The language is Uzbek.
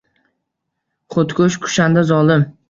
Xudkush – kushanda zolim.